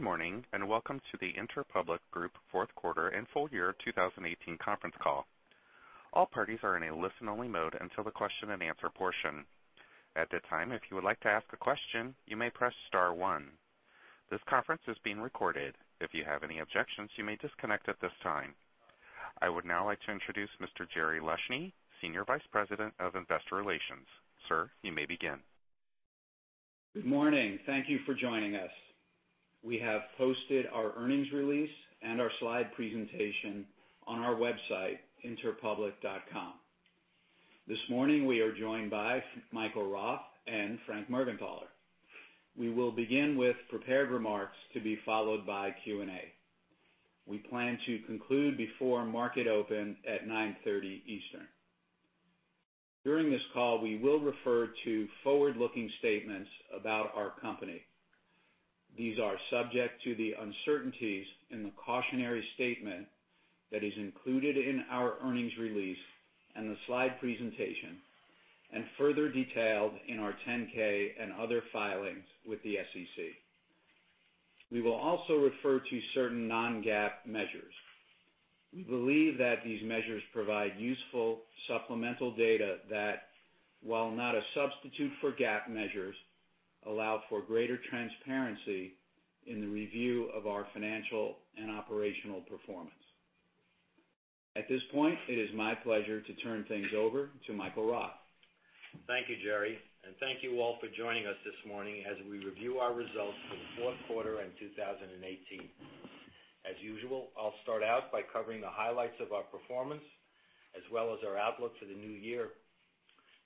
Good morning and welcome to the Interpublic Group Fourth Quarter and Full Year 2018 Conference Call. All parties are in a listen-only mode until the question-and-answer portion. At that time, if you would like to ask a question, you may press star one. This conference is being recorded. If you have any objections, you may disconnect at this time. I would now like to introduce Mr. Jerry Leshne, Senior Vice President of Investor Relations. Sir, you may begin. Good morning. Thank you for joining us. We have posted our earnings release and our slide presentation on our website, interpublic.com. This morning, we are joined by Michael Roth and Frank Morgenthaler. We will begin with prepared remarks to be followed by Q&A. We plan to conclude before market open at 9:30 A.M. Eastern. During this call, we will refer to forward-looking statements about our company. These are subject to the uncertainties in the cautionary statement that is included in our earnings release and the slide presentation and further detailed in our 10-K and other filings with the SEC. We will also refer to certain non-GAAP measures. We believe that these measures provide useful supplemental data that, while not a substitute for GAAP measures, allow for greater transparency in the review of our financial and operational performance. At this point, it is my pleasure to turn things over to Michael Roth. Thank you, Jerry. And thank you all for joining us this morning as we review our results for the fourth quarter in 2018. As usual, I'll start out by covering the highlights of our performance as well as our outlook for the new year.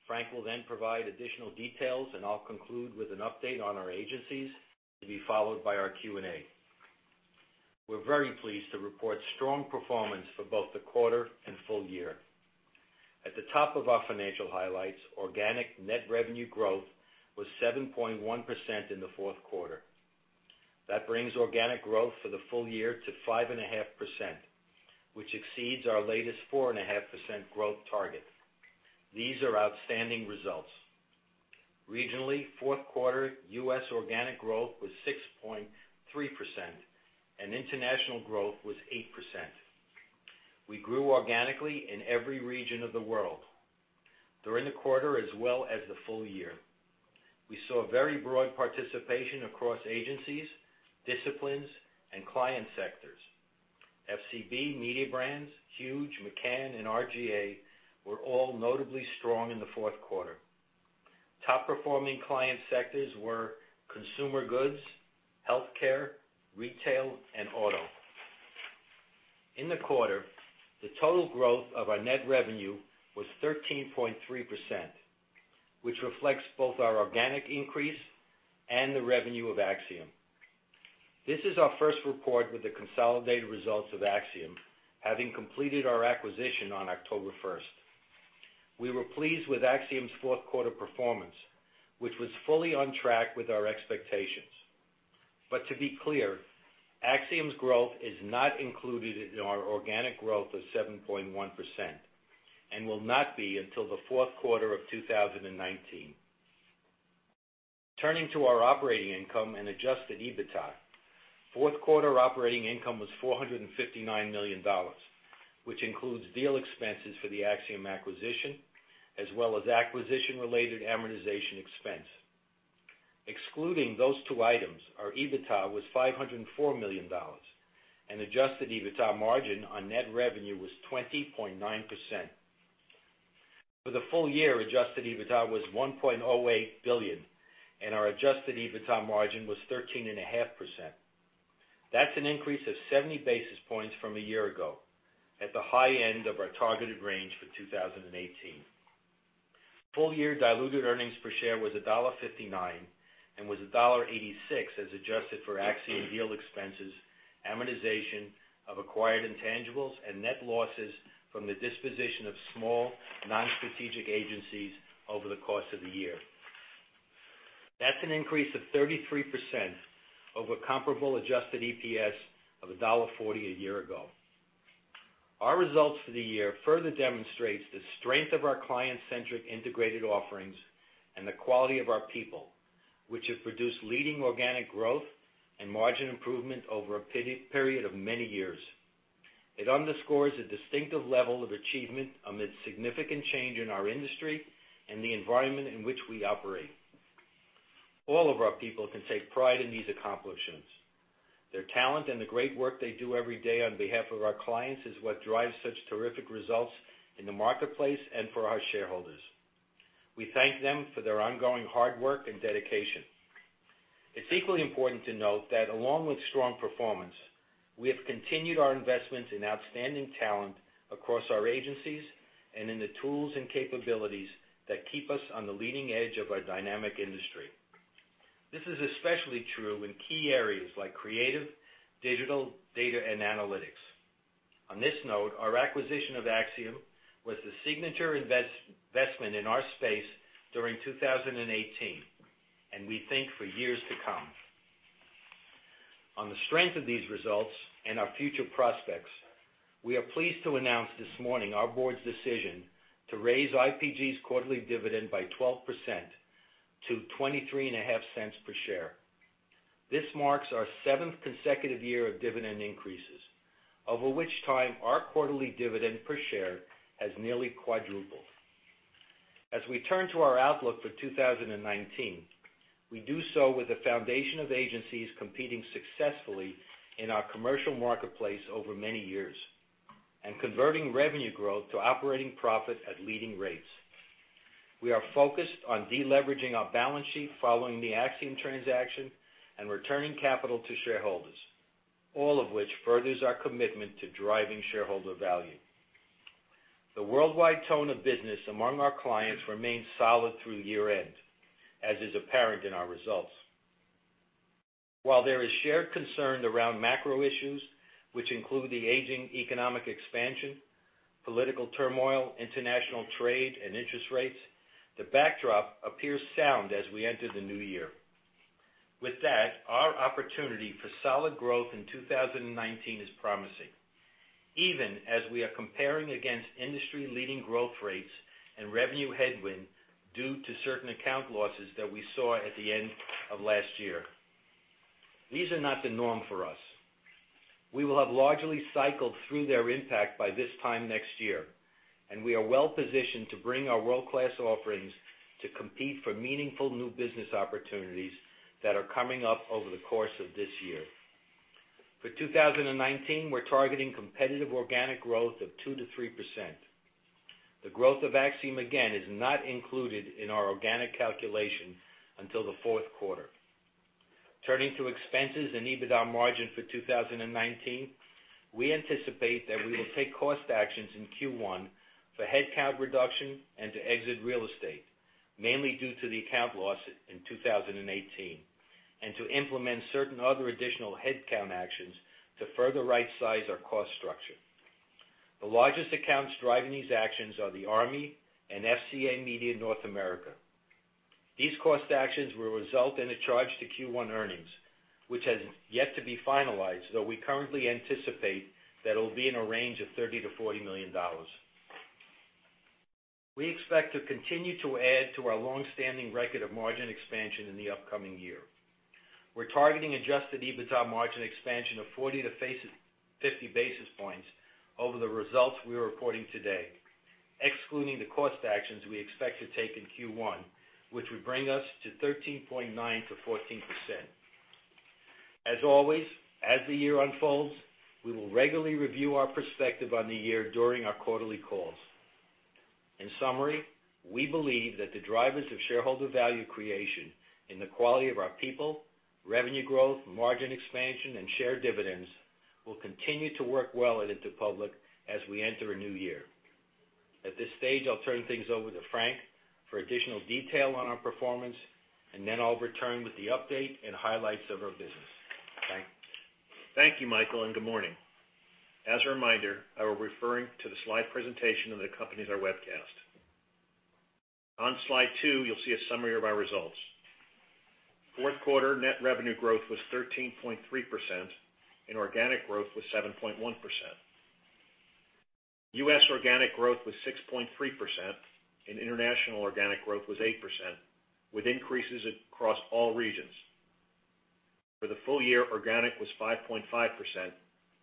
Frank will then provide additional details, and I'll conclude with an update on our agencies to be followed by our Q&A. We're very pleased to report strong performance for both the quarter and full year. At the top of our financial highlights, organic net revenue growth was 7.1% in the fourth quarter. That brings organic growth for the full year to 5.5%, which exceeds our latest 4.5% growth target. These are outstanding results. Regionally, fourth quarter U.S. organic growth was 6.3%, and international growth was 8%. We grew organically in every region of the world during the quarter as well as the full year. We saw very broad participation across agencies, disciplines, and client sectors. FCB, Mediabrands, Huge, McCann, and RGA were all notably strong in the fourth quarter. Top-performing client sectors were consumer goods, healthcare, retail, and auto. In the quarter, the total growth of our net revenue was 13.3%, which reflects both our organic increase and the revenue of Acxiom. This is our first report with the consolidated results of Acxiom having completed our acquisition on October 1st. We were pleased with Acxiom's fourth quarter performance, which was fully on track with our expectations. But to be clear, Acxiom's growth is not included in our organic growth of 7.1% and will not be until the fourth quarter of 2019. Turning to our operating income and Adjusted EBITDA, fourth quarter operating income was $459 million, which includes deal expenses for the Acxiom acquisition as well as acquisition-related amortization expense. Excluding those two items, our EBITDA was $504 million, and adjusted EBITDA margin on net revenue was 20.9%. For the full year, adjusted EBITDA was $1.08 billion, and our adjusted EBITDA margin was 13.5%. That's an increase of 70 basis points from a year ago at the high end of our targeted range for 2018. Full year diluted earnings per share was $1.59 and was $1.86 as adjusted for Acxiom deal expenses, amortization of acquired intangibles, and net losses from the disposition of small non-strategic agencies over the course of the year. That's an increase of 33% over comparable adjusted EPS of $1.40 a year ago. Our results for the year further demonstrate the strength of our client-centric integrated offerings and the quality of our people, which have produced leading organic growth and margin improvement over a period of many years. It underscores a distinctive level of achievement amid significant change in our industry and the environment in which we operate. All of our people can take pride in these accomplishments. Their talent and the great work they do every day on behalf of our clients is what drives such terrific results in the marketplace and for our shareholders. We thank them for their ongoing hard work and dedication. It's equally important to note that along with strong performance, we have continued our investments in outstanding talent across our agencies and in the tools and capabilities that keep us on the leading edge of our dynamic industry. This is especially true in key areas like creative, digital, data, and analytics. On this note, our acquisition of Acxiom was the signature investment in our space during 2018, and we think for years to come. On the strength of these results and our future prospects, we are pleased to announce this morning our board's decision to raise IPG's quarterly dividend by 12% to $0.235 per share. This marks our seventh consecutive year of dividend increases, over which time our quarterly dividend per share has nearly quadrupled. As we turn to our outlook for 2019, we do so with the foundation of agencies competing successfully in our commercial marketplace over many years and converting revenue growth to operating profit at leading rates. We are focused on deleveraging our balance sheet following the Acxiom transaction and returning capital to shareholders, all of which furthers our commitment to driving shareholder value. The worldwide tone of business among our clients remains solid through year-end, as is apparent in our results. While there is shared concern around macro issues, which include the aging economic expansion, political turmoil, international trade, and interest rates, the backdrop appears sound as we enter the new year. With that, our opportunity for solid growth in 2019 is promising, even as we are comparing against industry-leading growth rates and revenue headwinds due to certain account losses that we saw at the end of last year. These are not the norm for us. We will have largely cycled through their impact by this time next year, and we are well-positioned to bring our world-class offerings to compete for meaningful new business opportunities that are coming up over the course of this year. For 2019, we're targeting competitive organic growth of 2%-3%. The growth of Acxiom again is not included in our organic calculation until the fourth quarter. Turning to expenses and EBITDA margin for 2019, we anticipate that we will take cost actions in Q1 for headcount reduction and to exit real estate, mainly due to the account loss in 2018, and to implement certain other additional headcount actions to further right-size our cost structure. The largest accounts driving these actions are the Army and FCA Media North America. These cost actions will result in a charge to Q1 earnings, which has yet to be finalized, though we currently anticipate that it will be in a range of $30-$40 million. We expect to continue to add to our long-standing record of margin expansion in the upcoming year. We're targeting adjusted EBITDA margin expansion of 40-50 basis points over the results we're reporting today, excluding the cost actions we expect to take in Q1, which would bring us to 13.9%-14%. As always, as the year unfolds, we will regularly review our perspective on the year during our quarterly calls. In summary, we believe that the drivers of shareholder value creation in the quality of our people, revenue growth, margin expansion, and shared dividends will continue to work well at Interpublic as we enter a new year. At this stage, I'll turn things over to Frank for additional detail on our performance, and then I'll return with the update and highlights of our business. Thank you. Thank you, Michael, and good morning. As a reminder, I will be referring to the slide presentation of the company's webcast. On slide two, you'll see a summary of our results. Fourth quarter net revenue growth was 13.3%, and organic growth was 7.1%. U.S. organic growth was 6.3%, and international organic growth was 8%, with increases across all regions. For the full year, organic was 5.5%,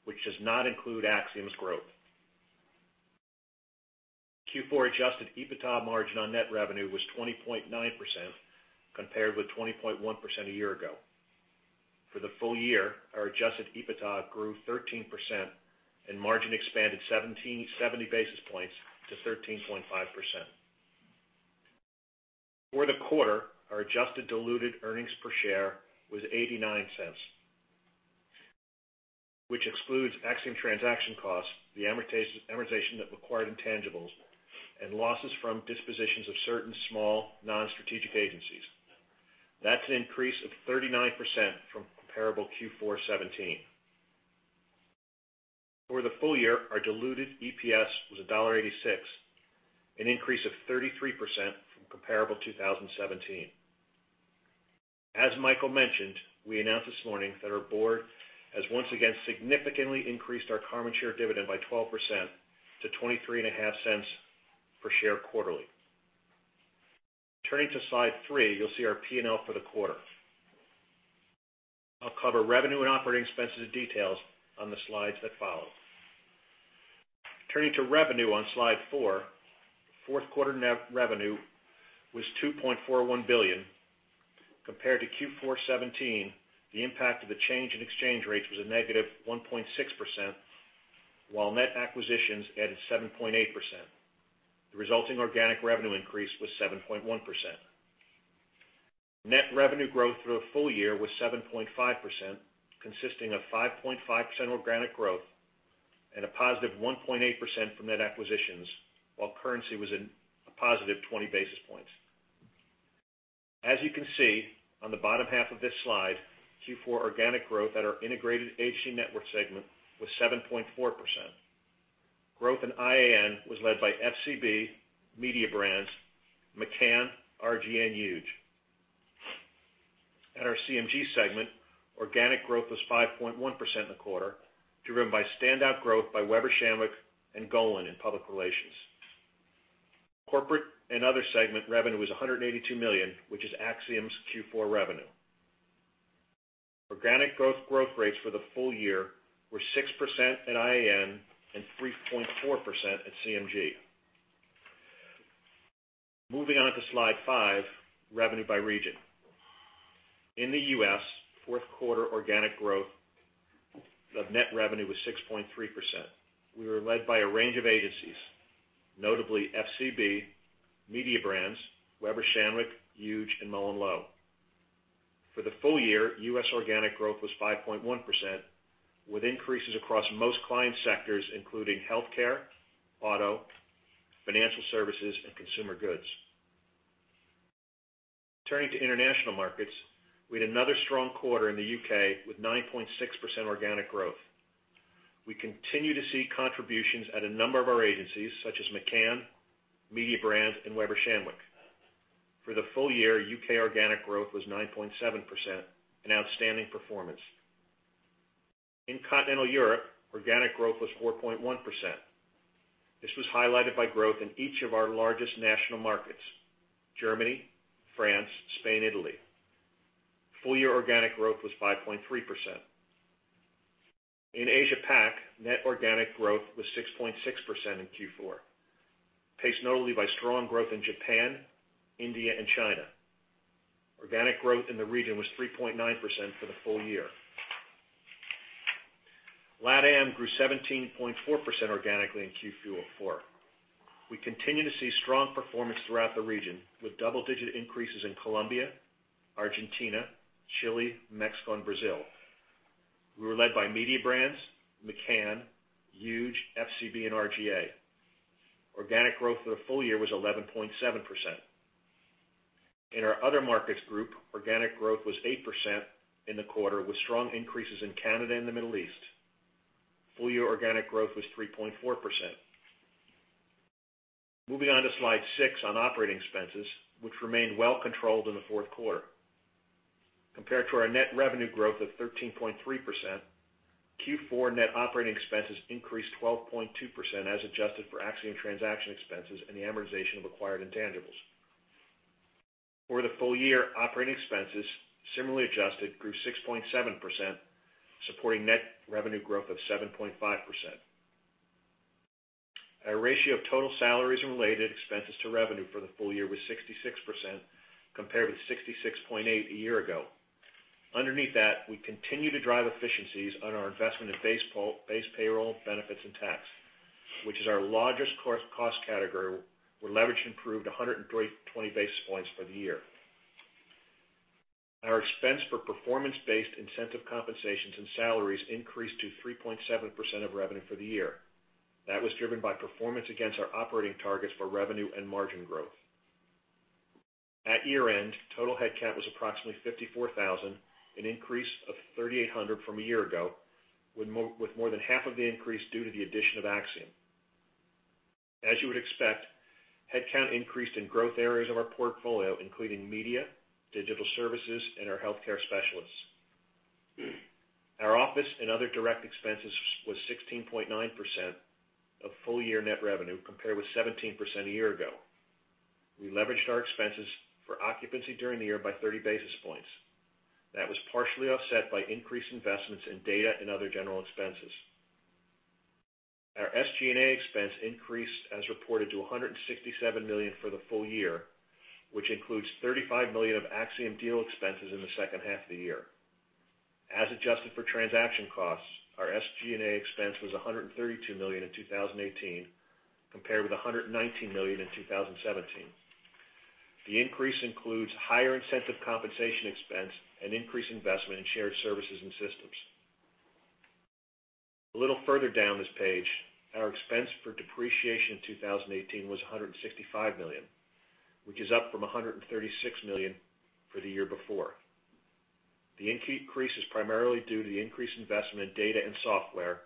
which does not include Acxiom's growth. Q4 adjusted EBITDA margin on net revenue was 20.9% compared with 20.1% a year ago. For the full year, our adjusted EBITDA grew 13%, and margin expanded 70 basis points to 13.5%. For the quarter, our adjusted diluted earnings per share was $0.89, which excludes Acxiom transaction costs, the amortization of acquired intangibles, and losses from dispositions of certain small non-strategic agencies. That's an increase of 39% from comparable Q4 2017. For the full year, our diluted EPS was $1.86, an increase of 33% from comparable 2017. As Michael mentioned, we announced this morning that our board has once again significantly increased our common share dividend by 12% to $0.235 per share quarterly. Turning to slide three, you'll see our P&L for the quarter. I'll cover revenue and operating expenses in detail on the slides that follow. Turning to revenue on slide four, fourth quarter net revenue was $2.41 billion. Compared to Q4 2017, the impact of the change in exchange rates was a negative 1.6%, while net acquisitions added 7.8%. The resulting organic revenue increase was 7.1%. Net revenue growth for the full year was 7.5%, consisting of 5.5% organic growth and a positive 1.8% from net acquisitions, while currency was a positive 20 basis points. As you can see on the bottom half of this slide, Q4 organic growth at our integrated agency network segment was 7.4%. Growth in IAN was led by FCB, Mediabrands, McCann, R/GA, and Huge. At our CMG segment, organic growth was 5.1% in the quarter, driven by standout growth by Weber Shandwick and Golin in public relations. Corporate and other segment revenue was $182 million, which is Acxiom's Q4 revenue. Organic growth rates for the full year were 6% at IAN and 3.4% at CMG. Moving on to slide five, revenue by region. In the U.S., fourth quarter organic growth of net revenue was 6.3%. We were led by a range of agencies, notably FCB, Mediabrands, Weber Shandwick, Huge, and MullenLowe. For the full year, U.S. organic growth was 5.1%, with increases across most client sectors, including healthcare, auto, financial services, and consumer goods. Turning to international markets, we had another strong quarter in the U.K. with 9.6% organic growth. We continue to see contributions at a number of our agencies, such as McCann, Mediabrands, and Weber Shandwick. For the full year, U.K. organic growth was 9.7%, an outstanding performance. In Continental Europe, organic growth was 4.1%. This was highlighted by growth in each of our largest national markets: Germany, France, Spain, Italy. Full year organic growth was 5.3%. In Asia-Pac, net organic growth was 6.6% in Q4, paced notably by strong growth in Japan, India, and China. Organic growth in the region was 3.9% for the full year. LATAM grew 17.4% organically in Q4. We continue to see strong performance throughout the region, with double-digit increases in Colombia, Argentina, Chile, Mexico, and Brazil. We were led by Mediabrands, McCann, Huge, FCB, and R/GA. Organic growth for the full year was 11.7%. In our other markets group, organic growth was 8% in the quarter, with strong increases in Canada and the Middle East. Full year organic growth was 3.4%. Moving on to slide six on operating expenses, which remained well-controlled in the fourth quarter. Compared to our net revenue growth of 13.3%, Q4 net operating expenses increased 12.2% as adjusted for Acxiom transaction expenses and the amortization of acquired intangibles. For the full year, operating expenses, similarly adjusted, grew 6.7%, supporting net revenue growth of 7.5%. Our ratio of total salaries and related expenses to revenue for the full year was 66%, compared with 66.8% a year ago. Underneath that, we continue to drive efficiencies on our investment in base payroll, benefits, and tax, which is our largest cost category, where leverage improved 120 basis points for the year. Our expense for performance-based incentive compensations and salaries increased to 3.7% of revenue for the year. That was driven by performance against our operating targets for revenue and margin growth. At year-end, total headcount was approximately 54,000, an increase of 3,800 from a year ago, with more than half of the increase due to the addition of Acxiom. As you would expect, headcount increased in growth areas of our portfolio, including media, digital services, and our healthcare specialists. Our office and other direct expenses were 16.9% of full year net revenue, compared with 17% a year ago. We leveraged our expenses for occupancy during the year by 30 basis points. That was partially offset by increased investments in data and other general expenses. Our SG&A expense increased, as reported, to $167 million for the full year, which includes $35 million of Acxiom deal expenses in the second half of the year. As adjusted for transaction costs, our SG&A expense was $132 million in 2018, compared with $119 million in 2017. The increase includes higher incentive compensation expense and increased investment in shared services and systems. A little further down this page, our expense for depreciation in 2018 was $165 million, which is up from $136 million for the year before. The increase is primarily due to the increased investment in data and software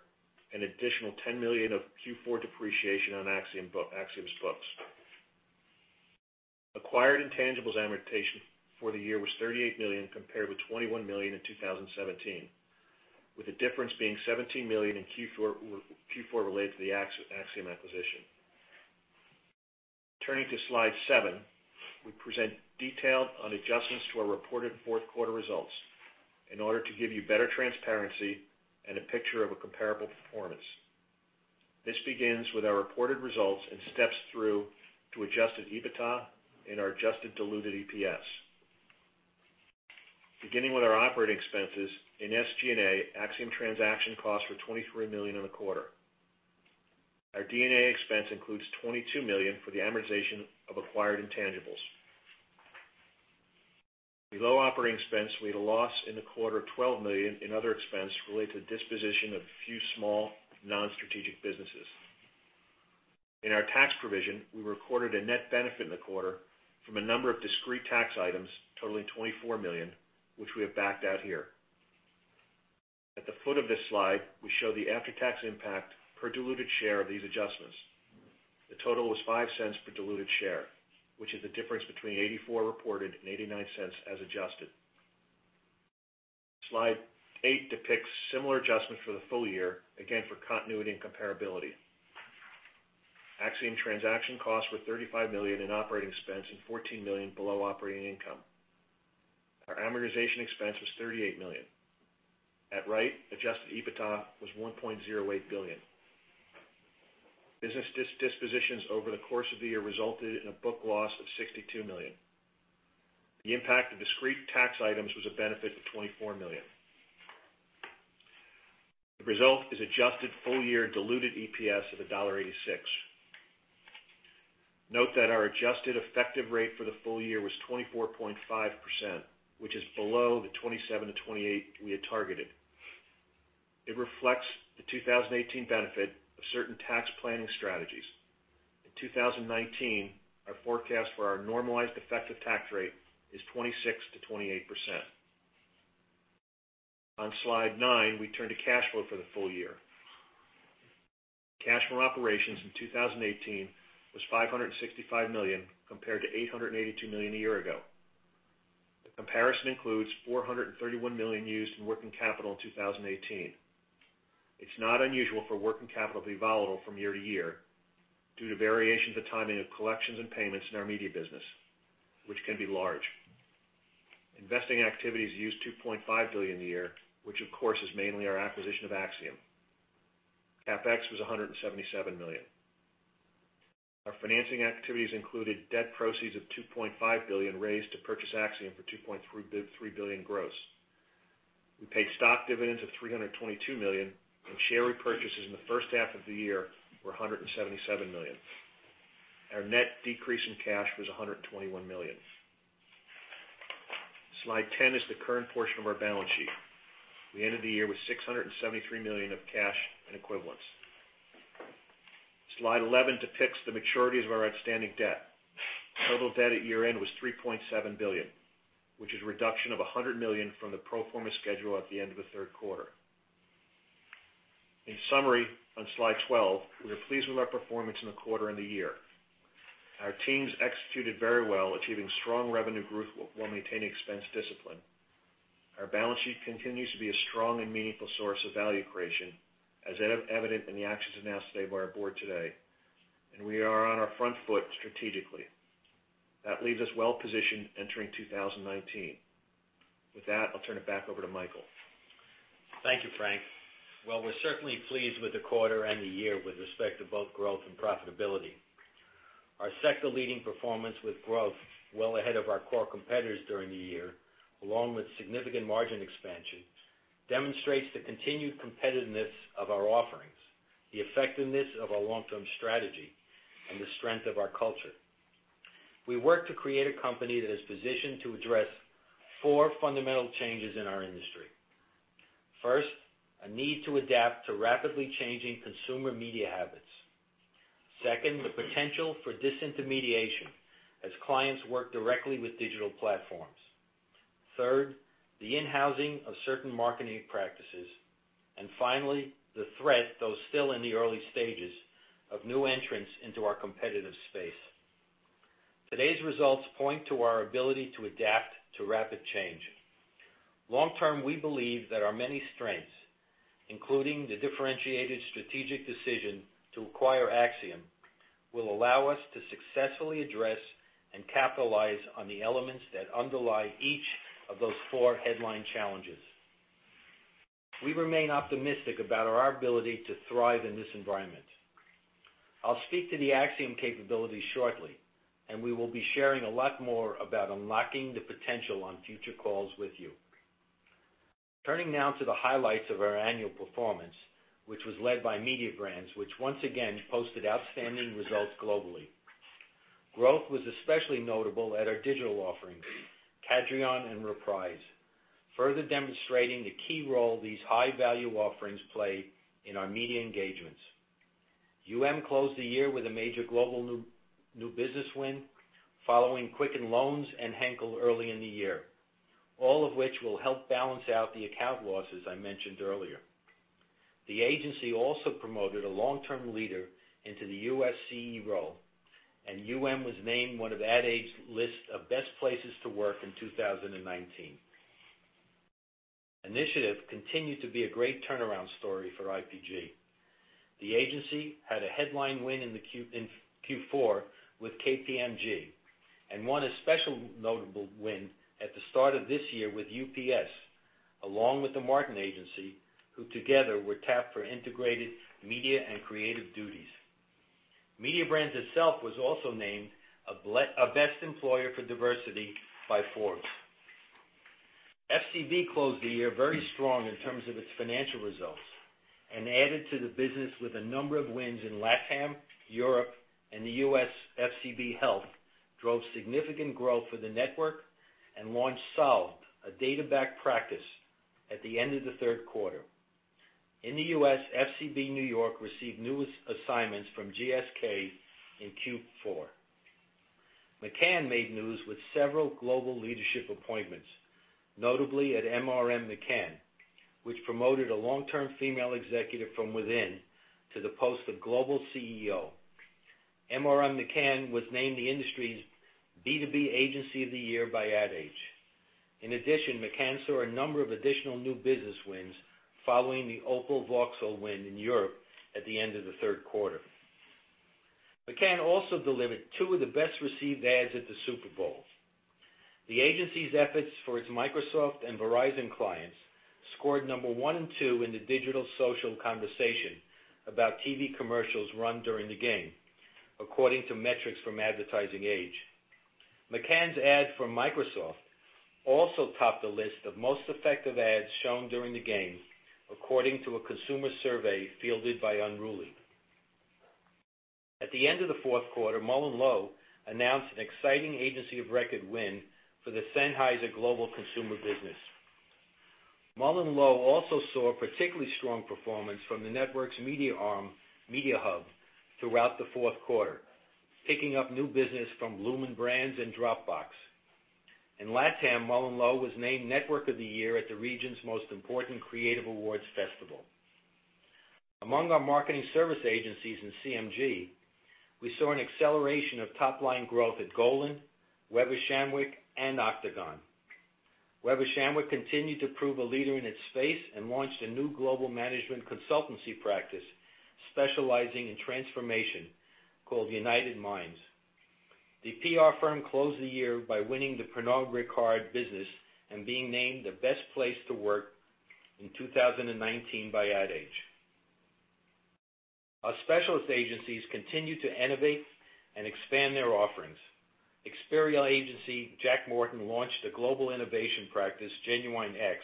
and additional $10 million of Q4 depreciation on Acxiom's books. Acquired intangibles amortization for the year was $38 million, compared with $21 million in 2017, with the difference being $17 million in Q4 related to the Acxiom acquisition. Turning to slide seven, we present detailed adjustments to our reported fourth quarter results in order to give you better transparency and a picture of a comparable performance. This begins with our reported results and steps through to adjusted EBITDA and our adjusted diluted EPS. Beginning with our operating expenses, in SG&A, Acxiom transaction costs were $23 million in the quarter. Our D&A expense includes $22 million for the amortization of acquired intangibles. Below operating expense, we had a loss in the quarter of $12 million in other expense related to disposition of a few small non-strategic businesses. In our tax provision, we recorded a net benefit in the quarter from a number of discrete tax items, totaling $24 million, which we have backed out here. At the foot of this slide, we show the after-tax impact per diluted share of these adjustments. The total was $0.05 per diluted share, which is the difference between $0.84 reported and $0.89 as adjusted. Slide 8 depicts similar adjustments for the full year, again for continuity and comparability. Acxiom transaction costs were $35 million in operating expense and $14 million below operating income. Our amortization expense was $38 million. At right, adjusted EBITDA was $1.08 billion. Business dispositions over the course of the year resulted in a book loss of $62 million. The impact of discrete tax items was a benefit of $24 million. The result is adjusted full year diluted EPS of $1.86. Note that our adjusted effective rate for the full year was 24.5%, which is below the 27%-28% we had targeted. It reflects the 2018 benefit of certain tax planning strategies. In 2019, our forecast for our normalized effective tax rate is 26%-28%. On slide nine, we turn to cash flow for the full year. Cash from operations in 2018 was $565 million, compared to $882 million a year ago. The comparison includes $431 million used in working capital in 2018. It's not unusual for working capital to be volatile from year to year due to variations in the timing of collections and payments in our media business, which can be large. Investing activities used $2.5 billion a year, which of course is mainly our acquisition of Acxiom. CapEx was $177 million. Our financing activities included debt proceeds of $2.5 billion raised to purchase Acxiom for $2.3 billion gross. We paid stock dividends of $322 million, and share repurchases in the first half of the year were $177 million. Our net decrease in cash was $121 million. Slide 10 is the current portion of our balance sheet. We ended the year with $673 million of cash and equivalents. Slide 11 depicts the maturities of our outstanding debt. Total debt at year-end was $3.7 billion, which is a reduction of $100 million from the pro forma schedule at the end of the third quarter. In summary, on slide 12, we are pleased with our performance in the quarter and the year. Our teams executed very well, achieving strong revenue growth while maintaining expense discipline. Our balance sheet continues to be a strong and meaningful source of value creation, as evident in the actions announced today by our board, and we are on our front foot strategically. That leaves us well-positioned entering 2019. With that, I'll turn it back over to Michael. Thank you, Frank. We're certainly pleased with the quarter and the year with respect to both growth and profitability. Our sector-leading performance with growth, well ahead of our core competitors during the year, along with significant margin expansion, demonstrates the continued competitiveness of our offerings, the effectiveness of our long-term strategy, and the strength of our culture. We work to create a company that is positioned to address four fundamental changes in our industry. First, a need to adapt to rapidly changing consumer media habits. Second, the potential for disintermediation as clients work directly with digital platforms. Third, the in-housing of certain marketing practices. And finally, the threat, though still in the early stages, of new entrants into our competitive space. Today's results point to our ability to adapt to rapid change. Long-term, we believe that our many strengths, including the differentiated strategic decision to acquire Acxiom, will allow us to successfully address and capitalize on the elements that underlie each of those four headline challenges. We remain optimistic about our ability to thrive in this environment. I'll speak to the Acxiom capabilities shortly, and we will be sharing a lot more about unlocking the potential on future calls with you. Turning now to the highlights of our annual performance, which was led by Mediabrands, which once again posted outstanding results globally. Growth was especially notable at our digital offerings, Cadreon and Reprise, further demonstrating the key role these high-value offerings play in our media engagements. Closed the year with a major global new business win, following Quicken Loans and Henkel early in the year, all of which will help balance out the account losses I mentioned earlier. The agency also promoted a long-term leader into the U.S. CEO role, and was named one of Ad Age's list of best places to work in 2019. Initiative continued to be a great turnaround story for IPG. The agency had a headline win in Q4 with KPMG and won a special notable win at the start of this year with UPS, along with The Martin Agency, who together were tapped for integrated media and creative duties. Mediabrands itself was also named a best employer for diversity by Forbes. FCB closed the year very strong in terms of its financial results and added to the business with a number of wins in LATAM, Europe, and the U.S. FCB Health drove significant growth for the network and launched Solve, a data-backed practice, at the end of the third quarter. In the U.S., FCB New York received new assignments from GSK in Q4. McCann made news with several global leadership appointments, notably at MRM McCann, which promoted a long-term female executive from within to the post of Global CEO. MRM McCann was named the industry's B2B Agency of the Year by Ad Age. In addition, McCann saw a number of additional new business wins following the Opel Vauxhall win in Europe at the end of the third quarter. McCann also delivered two of the best-received ads at the Super Bowl. The agency's efforts for its Microsoft and Verizon clients scored number one and two in the digital social conversation about TV commercials run during the game, according to metrics from Advertising Age. McCann's ad for Microsoft also topped the list of most effective ads shown during the game, according to a consumer survey fielded by Unruly. At the end of the fourth quarter, MullenLowe announced an exciting agency of record win for the Sennheiser Global Consumer Business. MullenLowe also saw particularly strong performance from the network's media arm, Mediahub, throughout the fourth quarter, picking up new business from Bloomin' Brands and Dropbox. In LATAM, MullenLowe was named Network of the Year at the region's most important creative awards festival. Among our marketing service agencies and CMG, we saw an acceleration of top-line growth at Golin, Weber Shandwick, and Octagon. Weber Shandwick continued to prove a leader in its space and launched a new global management consultancy practice specializing in transformation called United Minds. The PR firm closed the year by winning the Pernod Ricard business and being named the best place to work in 2019 by Ad Age. Our specialist agencies continued to innovate and expand their offerings. Experiential agency Jack Morton launched a global innovation practice, Genuine X,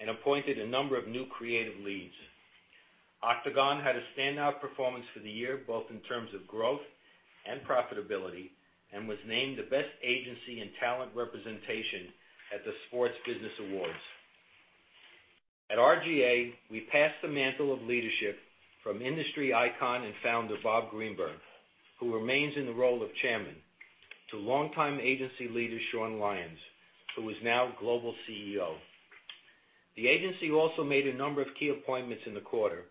and appointed a number of new creative leads. Octagon had a standout performance for the year, both in terms of growth and profitability, and was named the best agency in talent representation at the Sports Business Awards. At R/GA, we passed the mantle of leadership from industry icon and founder Bob Greenberg, who remains in the role of chairman, to longtime agency leader Sean Lyons, who is now global CEO. The agency also made a number of key appointments in the quarter,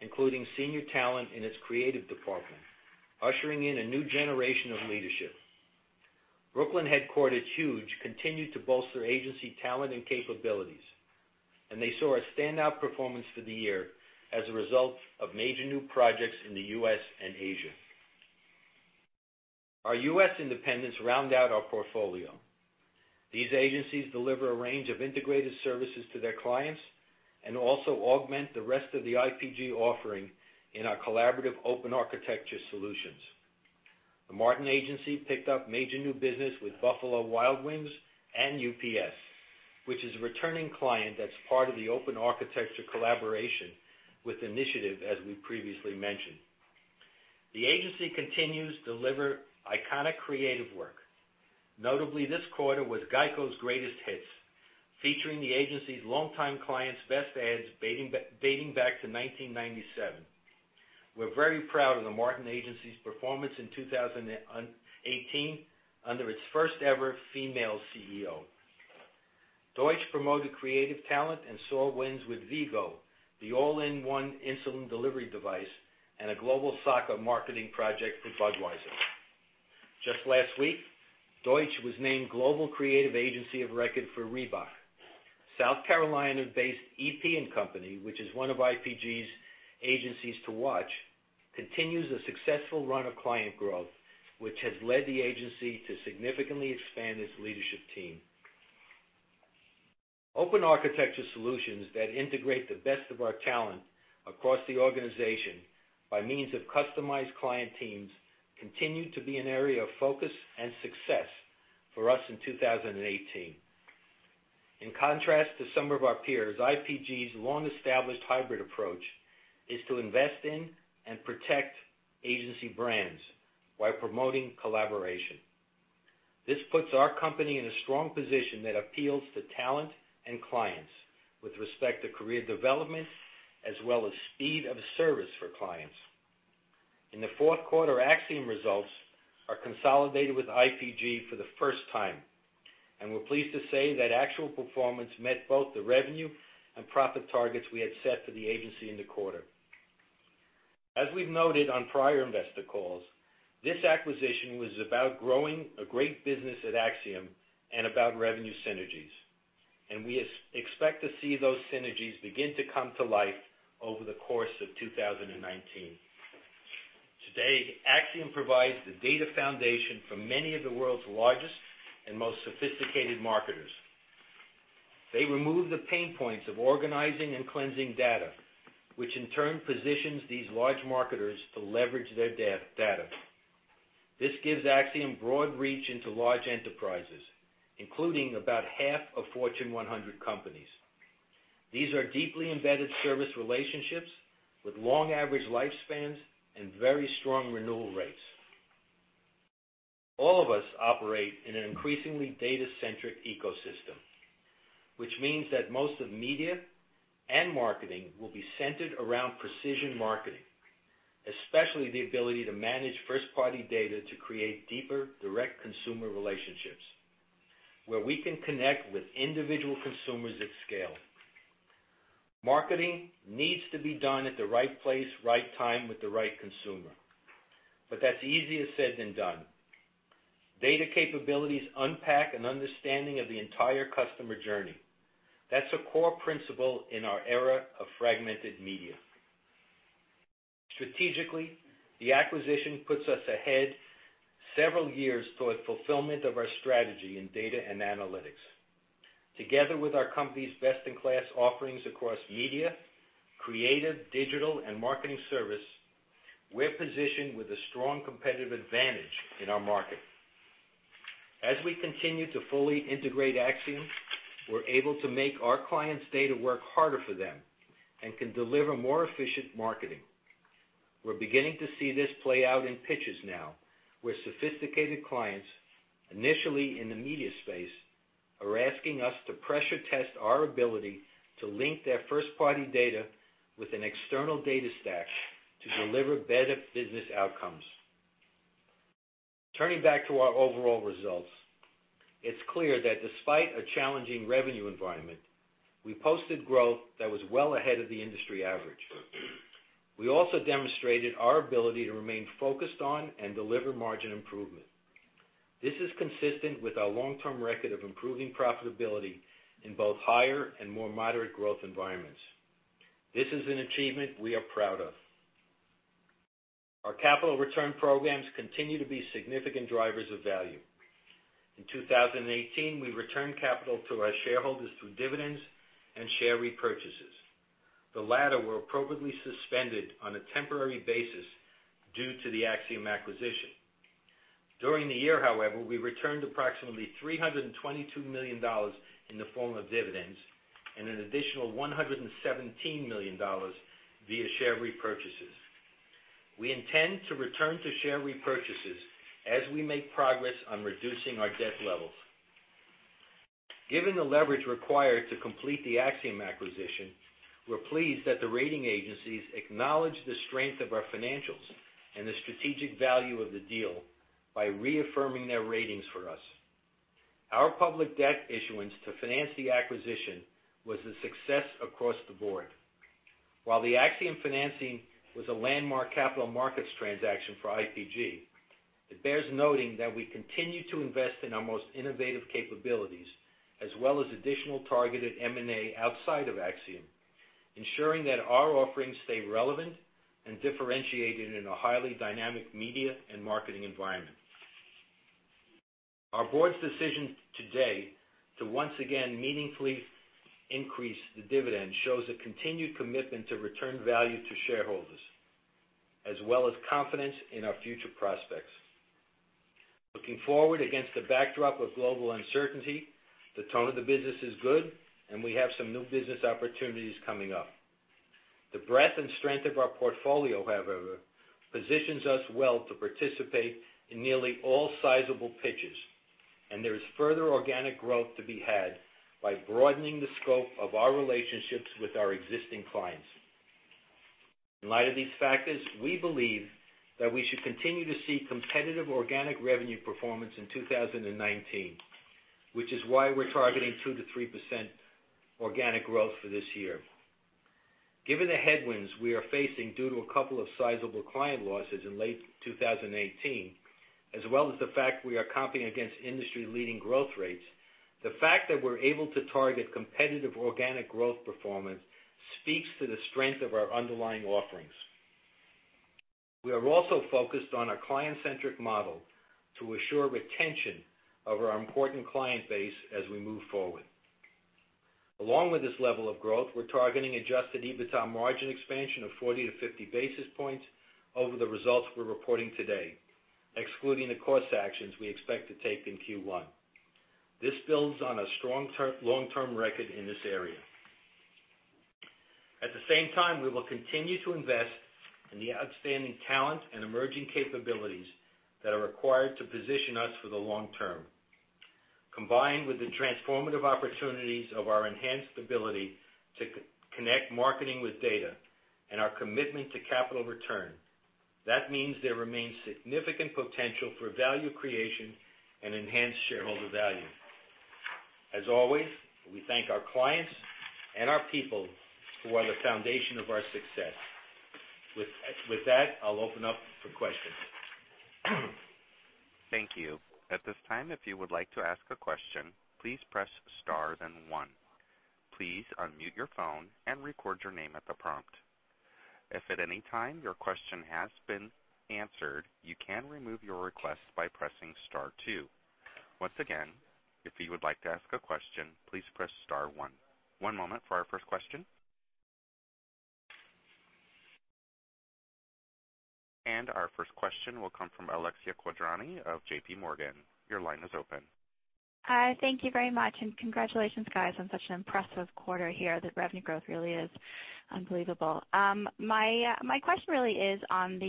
including senior talent in its creative department, ushering in a new generation of leadership. Brooklyn-headquartered Huge continued to bolster agency talent and capabilities, and they saw a standout performance for the year as a result of major new projects in the U.S. and Asia. Our U.S. independents round out our portfolio. These agencies deliver a range of integrated services to their clients and also augment the rest of the IPG offering in our collaborative open architecture solutions. The Martin Agency picked up major new business with Buffalo Wild Wings and UPS, which is a returning client that's part of the open architecture collaboration with Initiative, as we previously mentioned. The agency continues to deliver iconic creative work. Notably, this quarter was GEICO's greatest hits, featuring the agency's longtime clients' best ads dating back to 1997. We're very proud of the Martin Agency's performance in 2018 under its first-ever female CEO. Deutsch promoted creative talent and saw wins with V-Go, the all-in-one insulin delivery device, and a global soccer marketing project for Budweiser. Just last week, Deutsch was named global creative agency of record for Reebok. South Carolina-based EP+Co, which is one of IPG's agencies to watch, continues a successful run of client growth, which has led the agency to significantly expand its leadership team. Open architecture solutions that integrate the best of our talent across the organization by means of customized client teams continue to be an area of focus and success for us in 2018. In contrast to some of our peers, IPG's long-established hybrid approach is to invest in and protect agency brands while promoting collaboration. This puts our company in a strong position that appeals to talent and clients with respect to career development as well as speed of service for clients. In the fourth quarter, Acxiom results are consolidated with IPG for the first time, and we're pleased to say that actual performance met both the revenue and profit targets we had set for the agency in the quarter. As we've noted on prior investor calls, this acquisition was about growing a great business at Acxiom and about revenue synergies, and we expect to see those synergies begin to come to life over the course of 2019. Today, Acxiom provides the data foundation for many of the world's largest and most sophisticated marketers. They remove the pain points of organizing and cleansing data, which in turn positions these large marketers to leverage their data. This gives Acxiom broad reach into large enterprises, including about half of Fortune 100 companies. These are deeply embedded service relationships with long average lifespans and very strong renewal rates. All of us operate in an increasingly data-centric ecosystem, which means that most of media and marketing will be centered around precision marketing, especially the ability to manage first-party data to create deeper, direct consumer relationships where we can connect with individual consumers at scale. Marketing needs to be done at the right place, right time, with the right consumer, but that's easier said than done. Data capabilities unpack an understanding of the entire customer journey. That's a core principle in our era of fragmented media. Strategically, the acquisition puts us ahead several years toward fulfillment of our strategy in data and analytics. Together with our company's best-in-class offerings across media, creative, digital, and marketing service, we're positioned with a strong competitive advantage in our market. As we continue to fully integrate Acxiom, we're able to make our clients' data work harder for them and can deliver more efficient marketing. We're beginning to see this play out in pitches now where sophisticated clients, initially in the media space, are asking us to pressure test our ability to link their first-party data with an external data stack to deliver better business outcomes. Turning back to our overall results, it's clear that despite a challenging revenue environment, we posted growth that was well ahead of the industry average. We also demonstrated our ability to remain focused on and deliver margin improvement. This is consistent with our long-term record of improving profitability in both higher and more moderate growth environments. This is an achievement we are proud of. Our capital return programs continue to be significant drivers of value. In 2018, we returned capital to our shareholders through dividends and share repurchases. The latter were appropriately suspended on a temporary basis due to the Acxiom acquisition. During the year, however, we returned approximately $322 million in the form of dividends and an additional $117 million via share repurchases. We intend to return to share repurchases as we make progress on reducing our debt levels. Given the leverage required to complete the Acxiom acquisition, we're pleased that the rating agencies acknowledged the strength of our financials and the strategic value of the deal by reaffirming their ratings for us. Our public debt issuance to finance the acquisition was a success across the board. While the Acxiom financing was a landmark capital markets transaction for IPG, it bears noting that we continue to invest in our most innovative capabilities as well as additional targeted M&A outside of Acxiom, ensuring that our offerings stay relevant and differentiated in a highly dynamic media and marketing environment. Our board's decision today to once again meaningfully increase the dividend shows a continued commitment to return value to shareholders, as well as confidence in our future prospects. Looking forward against the backdrop of global uncertainty, the tone of the business is good, and we have some new business opportunities coming up. The breadth and strength of our portfolio, however, positions us well to participate in nearly all sizable pitches, and there is further organic growth to be had by broadening the scope of our relationships with our existing clients. In light of these factors, we believe that we should continue to see competitive organic revenue performance in 2019, which is why we're targeting 2%-3% organic growth for this year. Given the headwinds we are facing due to a couple of sizable client losses in late 2018, as well as the fact we are comping against industry-leading growth rates, the fact that we're able to target competitive organic growth performance speaks to the strength of our underlying offerings. We are also focused on our client-centric model to assure retention of our important client base as we move forward. Along with this level of growth, we're targeting Adjusted EBITDA margin expansion of 40-50 basis points over the results we're reporting today, excluding the cost actions we expect to take in Q1. This builds on a strong long-term record in this area. At the same time, we will continue to invest in the outstanding talent and emerging capabilities that are required to position us for the long term. Combined with the transformative opportunities of our enhanced ability to connect marketing with data and our commitment to capital return, that means there remains significant potential for value creation and enhanced shareholder value. As always, we thank our clients and our people who are the foundation of our success. With that, I'll open up for questions. Thank you. At this time, if you would like to ask a question, please press star one. Please unmute your phone and record your name at the prompt. If at any time your question has been answered, you can remove your request by pressing star two. Once again, if you would like to ask a question, please press star one. One moment for our first question, and our first question will come from Alexia Quadrani of JPMorgan. Your line is open. Hi. Thank you very much, and congratulations, guys, on such an impressive quarter here. The revenue growth really is unbelievable. My question really is on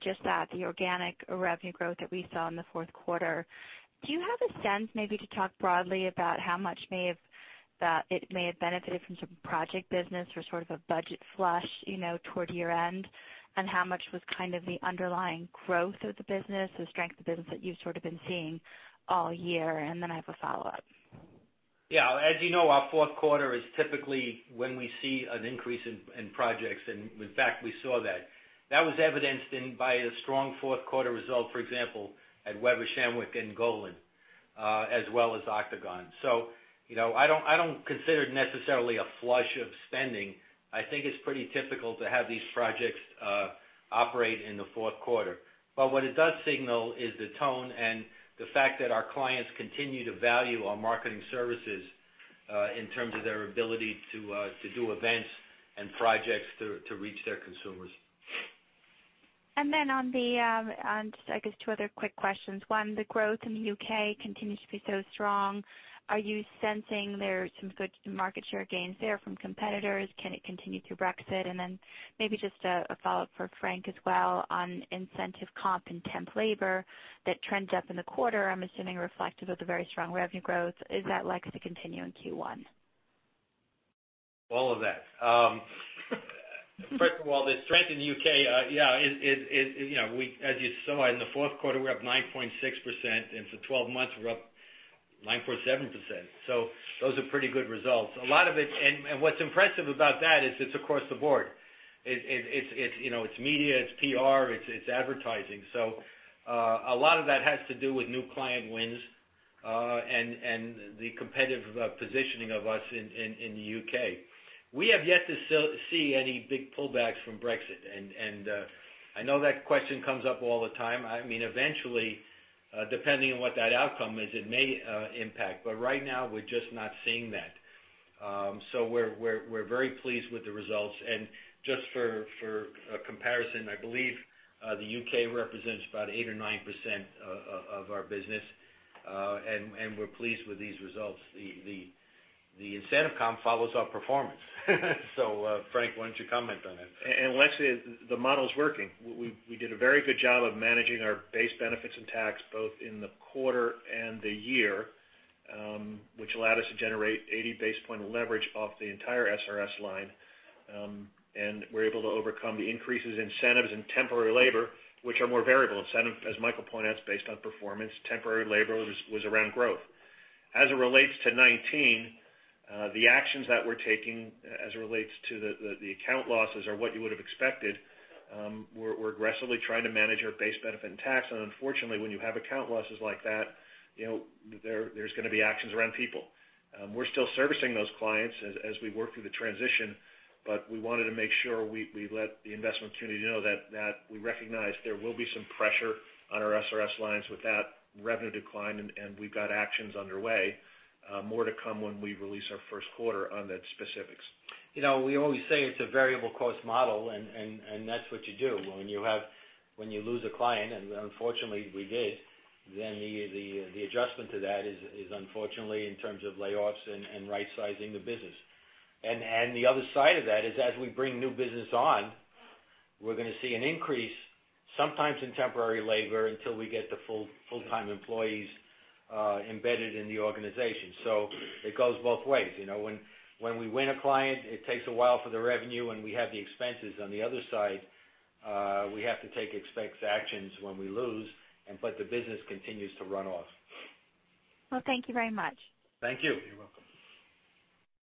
just that, the organic revenue growth that we saw in the fourth quarter. Do you have a sense maybe to talk broadly about how much it may have benefited from some project business or sort of a budget flush toward year-end, and how much was kind of the underlying growth of the business, the strength of the business that you've sort of been seeing all year? And then I have a follow-up. Yeah. As you know, our fourth quarter is typically when we see an increase in projects, and in fact, we saw that. That was evidenced by a strong fourth quarter result, for example, at Weber Shandwick, and Golin, as well as Octagon. So I don't consider it necessarily a flush of spending. I think it's pretty typical to have these projects operate in the fourth quarter. But what it does signal is the tone and the fact that our clients continue to value our marketing services in terms of their ability to do events and projects to reach their consumers. And then on the, I guess, two other quick questions. One, the growth in the U.K. continues to be so strong. Are you sensing there's some good market share gains there from competitors? Can it continue through Brexit? And then maybe just a follow-up for Frank as well on incentive comp and temp labor that trended up in the quarter, I'm assuming reflective of the very strong revenue growth. Is that likely to continue in Q1? All of that. First of all, the strength in the U.K., yeah, as you saw in the fourth quarter, we're up 9.6%, and for 12 months, we're up 9.7%. So those are pretty good results, and what's impressive about that is it's across the board. It's media, it's PR, it's advertising, so a lot of that has to do with new client wins and the competitive positioning of us in the U.K. We have yet to see any big pullbacks from Brexit, and I know that question comes up all the time. I mean, eventually, depending on what that outcome is, it may impact, but right now, we're just not seeing that. So we're very pleased with the results, and just for comparison, I believe the U.K. represents about 8 or 9% of our business, and we're pleased with these results. The incentive comp follows our performance. Frank, why don't you comment on that? Alexia, the model's working. We did a very good job of managing our base benefits and tax both in the quarter and the year, which allowed us to generate 80 basis point of leverage off the entire SRS line. We're able to overcome the increases in incentives and temporary labor, which are more variable. Incentive, as Michael pointed out, is based on performance. Temporary labor was around growth. As it relates to 2019, the actions that we're taking as it relates to the account losses are what you would have expected. We're aggressively trying to manage our base benefit and tax, and unfortunately, when you have account losses like that, there's going to be actions around people. We're still servicing those clients as we work through the transition, but we wanted to make sure we let the investment community know that we recognize there will be some pressure on our SRS lines with that revenue decline, and we've got actions underway. More to come when we release our first quarter on that specifics. We always say it's a variable cost model, and that's what you do when you lose a client, and unfortunately, we did, then the adjustment to that is unfortunately in terms of layoffs and rightsizing the business, and the other side of that is as we bring new business on, we're going to see an increase, sometimes in temporary labor, until we get the full-time employees embedded in the organization, so it goes both ways. When we win a client, it takes a while for the revenue, and we have the expenses. On the other side, we have to take expense actions when we lose, but the business continues to run off. Thank you very much. Thank you. You're welcome.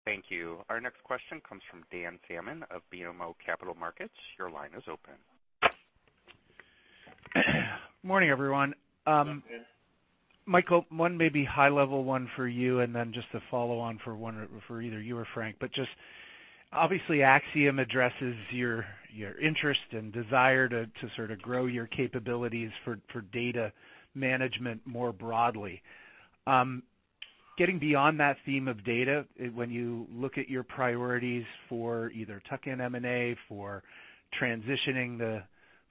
Thank you. Our next question comes from Dan Salmon of BMO Capital Markets. Your line is open. Morning, everyone. Michael, one maybe high-level one for you, and then just a follow-on for either you or Frank. But just obviously, Acxiom addresses your interest and desire to sort of grow your capabilities for data management more broadly. Getting beyond that theme of data, when you look at your priorities for either tuck-in M&A, for transitioning the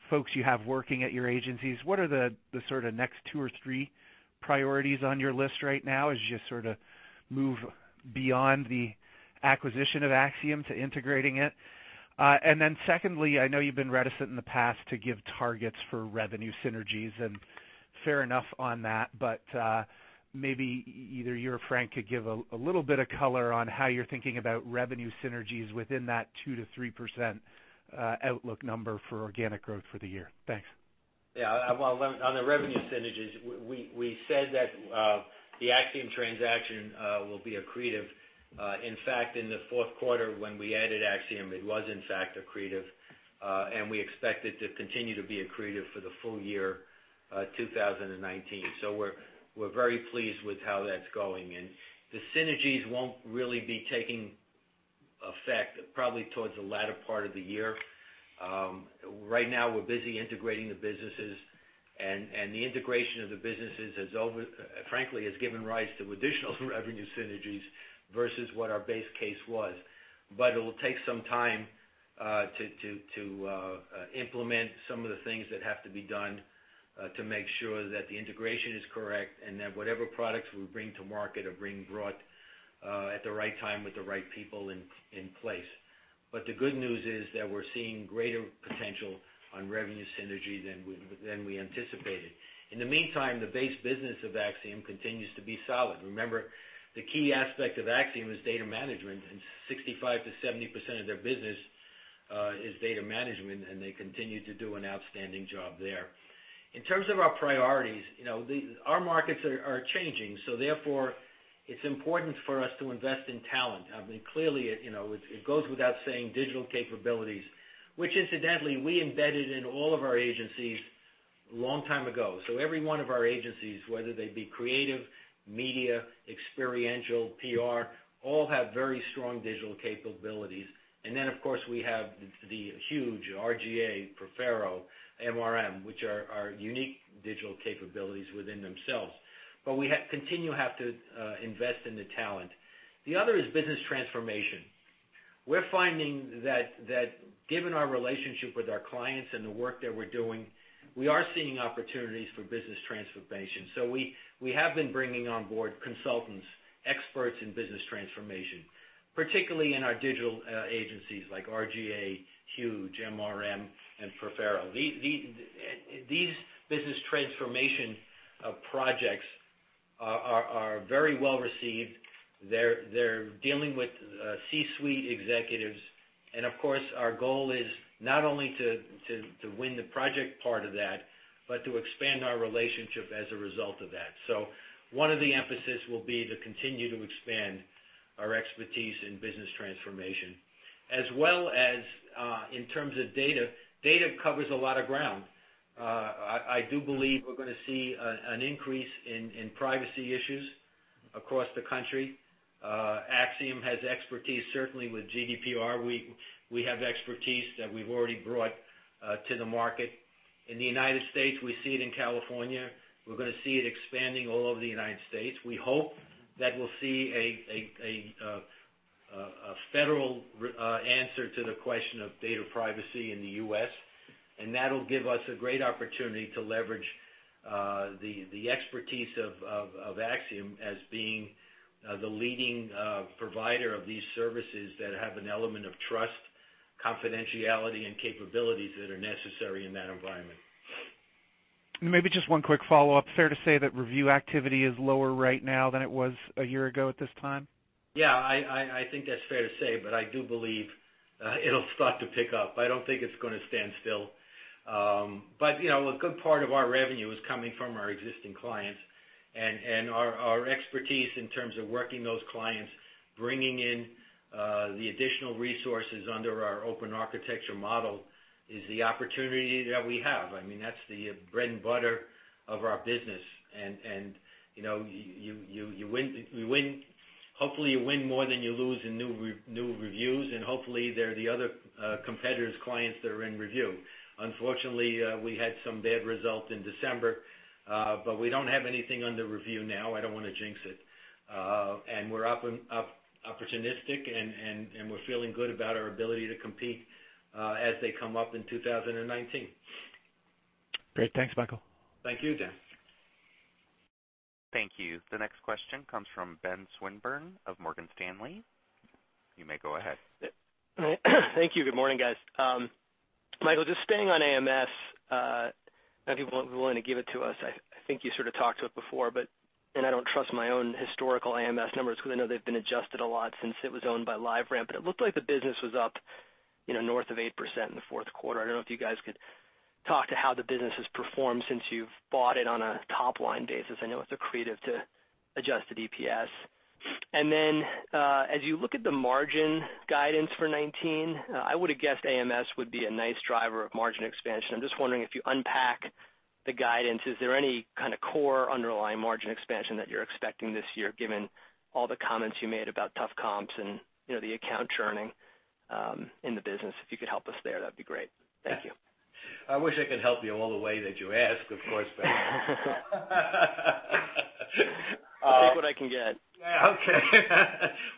folks you have working at your agencies, what are the sort of next two or three priorities on your list right now as you just sort of move beyond the acquisition of Acxiom to integrating it? And then secondly, I know you've been reticent in the past to give targets for revenue synergies, and fair enough on that, but maybe either you or Frank could give a little bit of color on how you're thinking about revenue synergies within that 2%-3% outlook number for organic growth for the year. Thanks. Yeah. On the revenue synergies, we said that the Acxiom transaction will be accretive. In fact, in the fourth quarter, when we added Acxiom, it was in fact accretive, and we expect it to continue to be accretive for the full year 2019. So we're very pleased with how that's going, and the synergies won't really be taking effect probably towards the latter part of the year. Right now, we're busy integrating the businesses, and the integration of the businesses, frankly, has given rise to additional revenue synergies versus what our base case was, but it will take some time to implement some of the things that have to be done to make sure that the integration is correct and that whatever products we bring to market are being brought at the right time with the right people in place. But the good news is that we're seeing greater potential on revenue synergy than we anticipated. In the meantime, the base business of Acxiom continues to be solid. Remember, the key aspect of Acxiom is data management, and 65%-70% of their business is data management, and they continue to do an outstanding job there. In terms of our priorities, our markets are changing, so therefore, it's important for us to invest in talent. I mean, clearly, it goes without saying, digital capabilities, which incidentally, we embedded in all of our agencies a long time ago. So every one of our agencies, whether they be creative, media, experiential, PR, all have very strong digital capabilities. And then, of course, we have the Huge R/GA, Profero, MRM, which are unique digital capabilities within themselves. But we continue to have to invest in the talent. The other is business transformation. We're finding that given our relationship with our clients and the work that we're doing, we are seeing opportunities for business transformation. So we have been bringing on board consultants, experts in business transformation, particularly in our digital agencies like R/GA, Huge, MRM, and Profero. These business transformation projects are very well received. They're dealing with C-suite executives. And of course, our goal is not only to win the project part of that, but to expand our relationship as a result of that. So one of the emphasis will be to continue to expand our expertise in business transformation, as well as in terms of data. Data covers a lot of ground. I do believe we're going to see an increase in privacy issues across the country. Acxiom has expertise, certainly, with GDPR. We have expertise that we've already brought to the market. In the United States, we see it in California. We're going to see it expanding all over the United States. We hope that we'll see a federal answer to the question of data privacy in the U.S., and that'll give us a great opportunity to leverage the expertise of Acxiom as being the leading provider of these services that have an element of trust, confidentiality, and capabilities that are necessary in that environment. Maybe just one quick follow-up. Fair to say that review activity is lower right now than it was a year ago at this time? Yeah. I think that's fair to say, but I do believe it'll start to pick up. I don't think it's going to stand still. But a good part of our revenue is coming from our existing clients, and our expertise in terms of working those clients, bringing in the additional resources under our open architecture model is the opportunity that we have. I mean, that's the bread and butter of our business. And hopefully, you win more than you lose in new reviews, and hopefully, they're the other competitors, clients that are in review. Unfortunately, we had some bad result in December, but we don't have anything under review now. I don't want to jinx it. And we're opportunistic, and we're feeling good about our ability to compete as they come up in 2019. Great. Thanks, Michael. Thank you, Dan. Thank you. The next question comes from Ben Swinburne of Morgan Stanley. You may go ahead. Thank you. Good morning, guys. Michael, just staying on AMS, if you're willing to give it to us, I think you sort of talked to it before, but I don't trust my own historical AMS numbers because I know they've been adjusted a lot since it was owned by LiveRamp. But it looked like the business was up north of 8% in the fourth quarter. I don't know if you guys could talk to how the business has performed since you've bought it on a top-line basis. I know it's accretive to adjusted DPS. And then as you look at the margin guidance for 2019, I would have guessed AMS would be a nice driver of margin expansion. I'm just wondering if you unpack the guidance, is there any kind of core underlying margin expansion that you're expecting this year given all the comments you made about tough comps and the account churning in the business? If you could help us there, that'd be great. Thank you. I wish I could help you all the way that you ask, of course, but. Take what I can get. Yeah. Okay.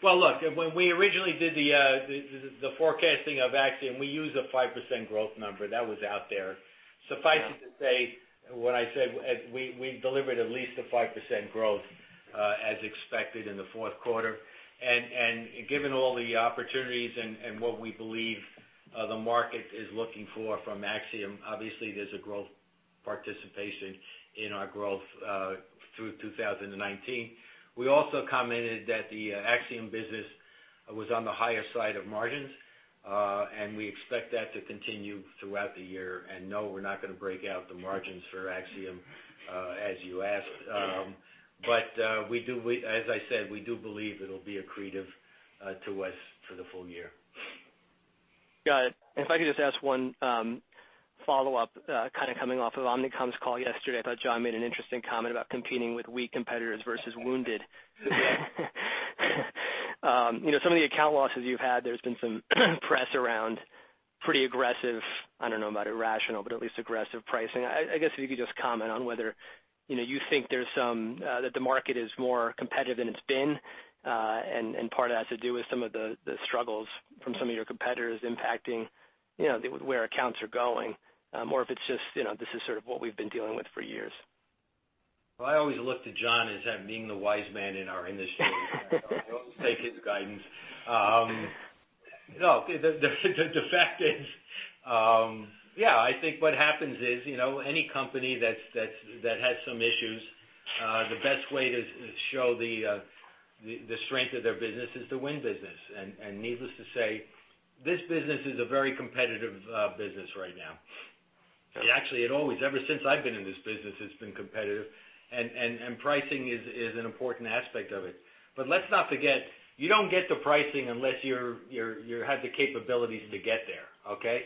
Well, look, when we originally did the forecasting of Acxiom, we used a 5% growth number. That was out there. Suffice it to say, when I said we delivered at least a 5% growth as expected in the fourth quarter, and given all the opportunities and what we believe the market is looking for from Acxiom, obviously, there's a growth participation in our growth through 2019. We also commented that the Acxiom business was on the higher side of margins, and we expect that to continue throughout the year. No, we're not going to break out the margins for Acxiom as you asked, but as I said, we do believe it'll be accretive to us for the full year. Got it. And if I could just ask one follow-up, kind of coming off of Omnicom's call yesterday, I thought John made an interesting comment about competing with weak competitors versus wounded. Some of the account losses you've had, there's been some press around pretty aggressive-I don't know about irrational, but at least aggressive pricing. I guess if you could just comment on whether you think that the market is more competitive than it's been, and part of that has to do with some of the struggles from some of your competitors impacting where accounts are going, or if it's just this is sort of what we've been dealing with for years. Well, I always look to John as being the wise man in our industry. I always take his guidance. No, the fact is, yeah, I think what happens is any company that has some issues, the best way to show the strength of their business is to win business. And needless to say, this business is a very competitive business right now. Actually, it always, ever since I've been in this business, it's been competitive. And pricing is an important aspect of it. But let's not forget, you don't get the pricing unless you have the capabilities to get there, okay?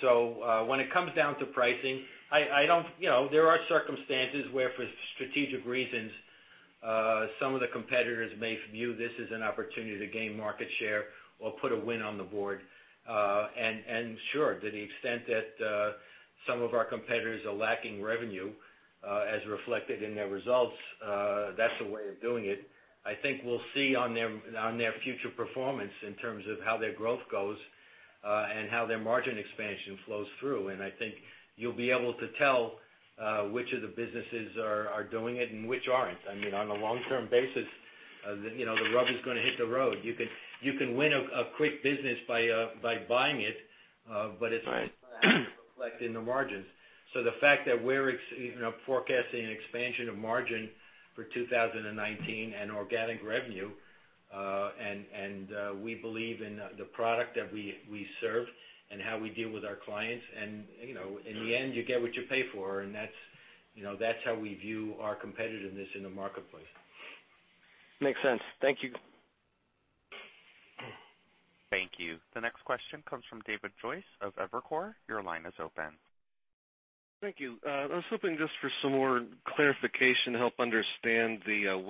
So when it comes down to pricing, I don't, there are circumstances where, for strategic reasons, some of the competitors may view this as an opportunity to gain market share or put a win on the board. Sure, to the extent that some of our competitors are lacking revenue as reflected in their results, that's a way of doing it. I think we'll see on their future performance in terms of how their growth goes and how their margin expansion flows through. I think you'll be able to tell which of the businesses are doing it and which aren't. I mean, on a long-term basis, the rubber's going to hit the road. You can win a quick business by buying it, but it's not going to reflect in the margins. The fact that we're forecasting an expansion of margin for 2019 and organic revenue, and we believe in the product that we serve and how we deal with our clients, and in the end, you get what you pay for, and that's how we view our competitiveness in the marketplace. Makes sense. Thank you. Thank you. The next question comes from David Joyce of Evercore. Your line is open. Thank you. I was hoping just for some more clarification to help understand the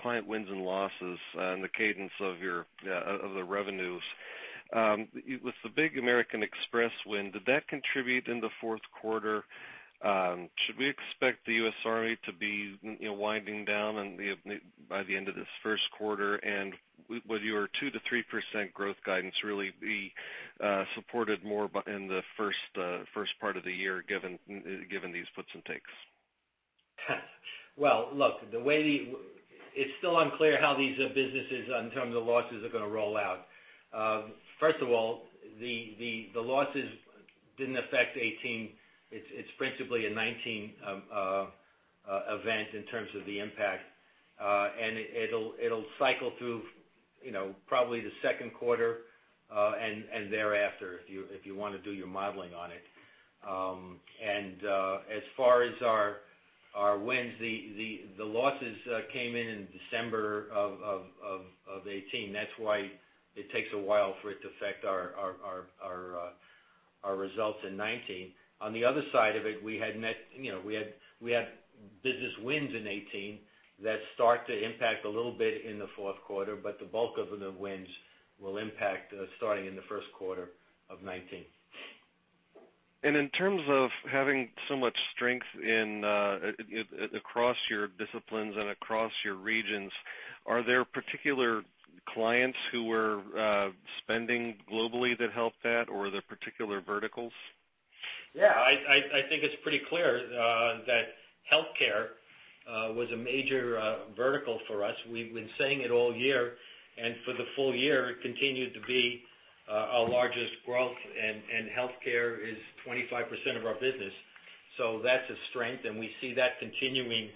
client wins and losses and the cadence of the revenues. With the big American Express win, did that contribute in the fourth quarter? Should we expect the U.S. Army to be winding down by the end of this first quarter? And would your 2%-3% growth guidance really be supported more in the first part of the year given these puts and takes? Look, the way it's still unclear how these businesses, in terms of losses, are going to roll out. First of all, the losses didn't affect 18. It's principally a 19 event in terms of the impact, and it'll cycle through probably the second quarter and thereafter if you want to do your modeling on it. As far as our wins, the losses came in in December of 18. That's why it takes a while for it to affect our results in 19. On the other side of it, we had business wins in 18 that start to impact a little bit in the fourth quarter, but the bulk of the wins will impact starting in the first quarter of 19. In terms of having so much strength across your disciplines and across your regions, are there particular clients who were spending globally that helped that, or are there particular verticals? Yeah. I think it's pretty clear that healthcare was a major vertical for us. We've been saying it all year, and for the full year, it continued to be our largest growth, and healthcare is 25% of our business. So that's a strength, and we see that continuing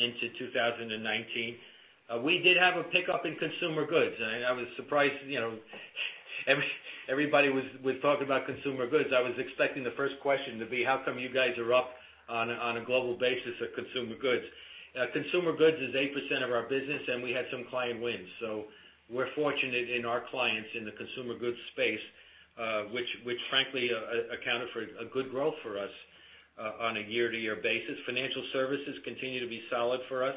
into 2019. We did have a pickup in consumer goods. I was surprised everybody was talking about consumer goods. I was expecting the first question to be, "How come you guys are up on a global basis of consumer goods?" Consumer goods is 8% of our business, and we had some client wins. So we're fortunate in our clients in the consumer goods space, which frankly accounted for a good growth for us on a year-to-year basis. Financial services continue to be solid for us.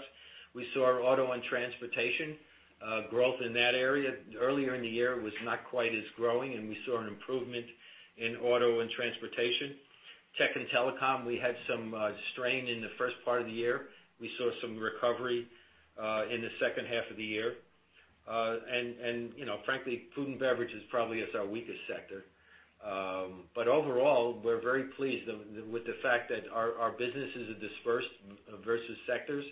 We saw our auto and transportation growth in that area. Earlier in the year, it was not quite as growing, and we saw an improvement in auto and transportation. Tech and telecom, we had some strain in the first part of the year. We saw some recovery in the second half of the year, and frankly, food and beverages probably is our weakest sector, but overall, we're very pleased with the fact that our businesses are dispersed versus sectors,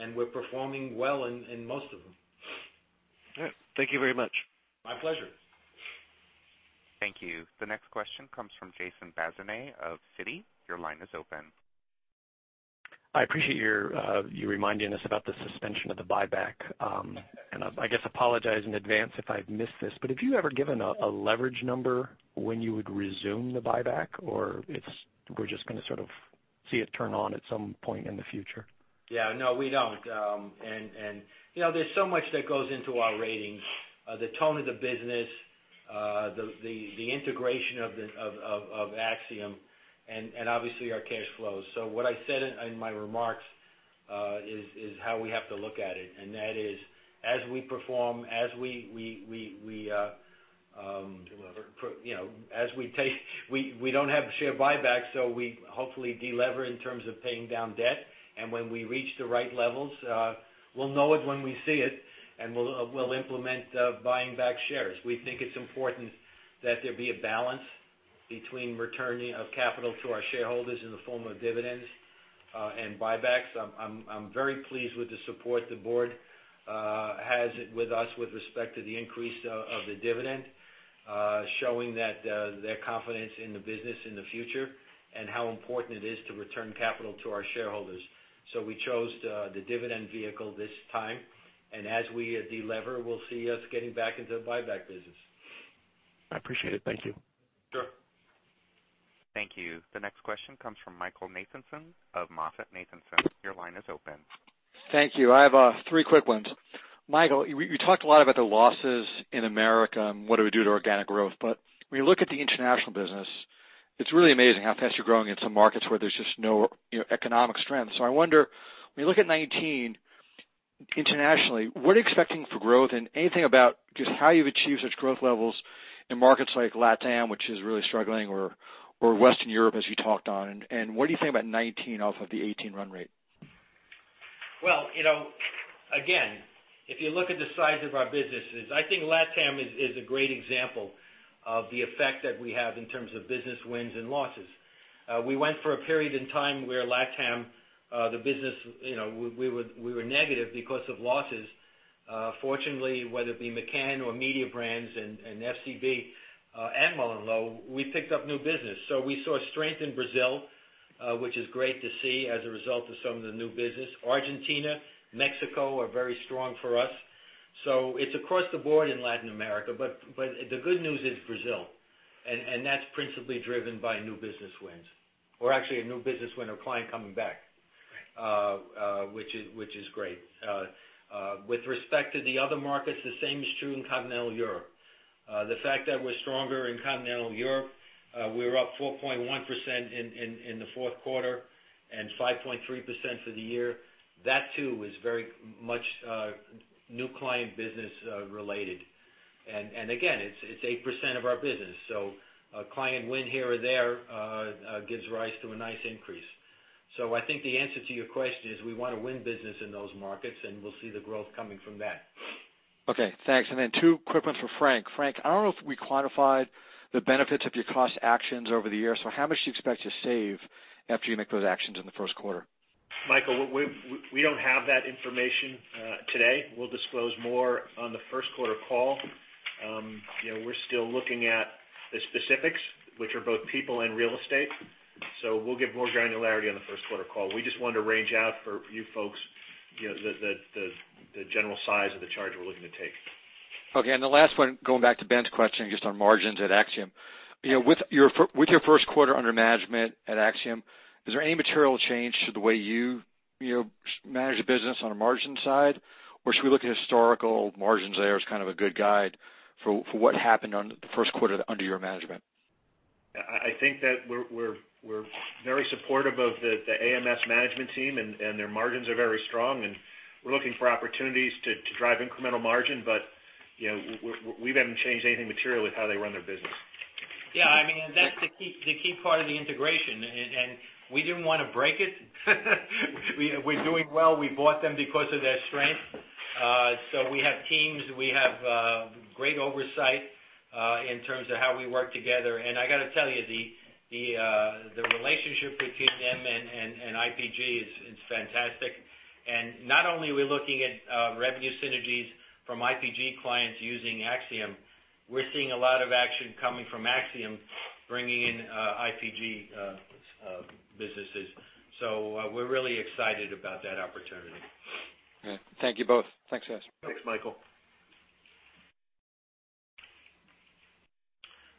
and we're performing well in most of them. All right. Thank you very much. My pleasure. Thank you. The next question comes from Jason Bazinet of Citi. Your line is open. I appreciate you reminding us about the suspension of the buyback, and I guess apologize in advance if I've missed this, but have you ever given a leverage number when you would resume the buyback, or we're just going to sort of see it turn on at some point in the future? Yeah. No, we don't. And there's so much that goes into our ratings: the tone of the business, the integration of Acxiom, and obviously our cash flows. So what I said in my remarks is how we have to look at it, and that is as we perform, as we don't have share buybacks, so we hopefully delever in terms of paying down debt. And when we reach the right levels, we'll know it when we see it, and we'll implement buying back shares. We think it's important that there be a balance between returning capital to our shareholders in the form of dividends and buybacks. I'm very pleased with the support the board has with us with respect to the increase of the dividend, showing that their confidence in the business in the future and how important it is to return capital to our shareholders. We chose the dividend vehicle this time, and as we deliver, we'll see us getting back into the buyback business. I appreciate it. Thank you. Sure. Thank you. The next question comes from Michael Nathanson of MoffettNathanson. Your line is open. Thank you. I have three quick ones. Michael, you talked a lot about the losses in America and what it would do to organic growth, but when you look at the international business, it's really amazing how fast you're growing in some markets where there's just no economic strength. So I wonder, when you look at 2019 internationally, what are you expecting for growth, and anything about just how you've achieved such growth levels in markets like LATAM, which is really struggling, or Western Europe, as you talked on? And what do you think about 2019 off of the 2018 run rate? Again, if you look at the size of our businesses, I think LATAM is a great example of the effect that we have in terms of business wins and losses. We went for a period in time where LATAM, the business, we were negative because of losses. Fortunately, whether it be McCann or Mediabrands and FCB and MullenLowe, we picked up new business, so we saw strength in Brazil, which is great to see as a result of some of the new business. Argentina, Mexico are very strong for us. It's across the board in Latin America, but the good news is Brazil, and that's principally driven by new business wins, or actually a new business win or client coming back, which is great. With respect to the other markets, the same is true in continental Europe. The fact that we're stronger in Continental Europe, we're up 4.1% in the fourth quarter and 5.3% for the year. That too is very much new client business related. And again, it's 8% of our business. So I think the answer to your question is we want to win business in those markets, and we'll see the growth coming from that. Okay. Thanks. And then two quick ones for Frank. Frank, I don't know if we quantified the benefits of your cost actions over the year, so how much do you expect to save after you make those actions in the first quarter? Michael, we don't have that information today. We'll disclose more on the first quarter call. We're still looking at the specifics, which are both people and real estate. So we'll give more granularity on the first quarter call. We just wanted to range out for you folks the general size of the charge we're looking to take. Okay. And the last one, going back to Ben's question just on margins at Acxiom. With your first quarter under management at Acxiom, is there any material change to the way you manage the business on a margin side, or should we look at historical margins there as kind of a good guide for what happened on the first quarter under your management? I think that we're very supportive of the AMS management team, and their margins are very strong, and we're looking for opportunities to drive incremental margin, but we haven't changed anything material with how they run their business. Yeah. I mean, that's the key part of the integration, and we didn't want to break it. We're doing well. We bought them because of their strength. So we have teams. We have great oversight in terms of how we work together. And I got to tell you, the relationship between them and IPG is fantastic. And not only are we looking at revenue synergies from IPG clients using Acxiom, we're seeing a lot of action coming from Acxiom bringing in IPG businesses. So we're really excited about that opportunity. Thank you both. Thanks, guys. Thanks, Michael.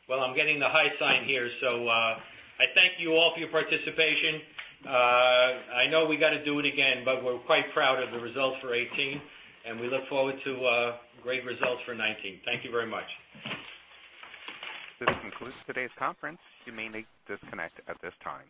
Well, I'm getting the high sign here, so I thank you all for your participation. I know we got to do it again, but we're quite proud of the results for 2018, and we look forward to great results for 19. Thank you very much. This concludes today's conference. You may disconnect at this time.